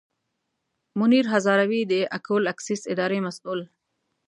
منیر هزاروي د اکول اکسیس اداري مسوول.